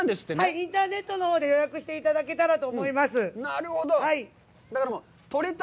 インターネットのほうで予約していただけたらと思います。